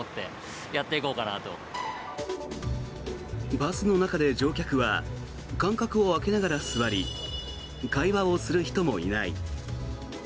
バスの中で乗客は間隔を空けながら座り会話をする人もいない。